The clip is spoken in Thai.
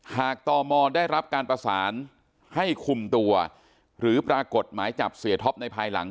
ตมได้รับการประสานให้คุมตัวหรือปรากฏหมายจับเสียท็อปในภายหลัง